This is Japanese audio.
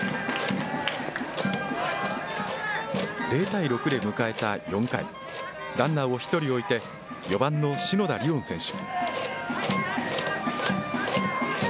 ０対６で迎えた４回、ランナーを１人置いて、４番の篠田吏音選手。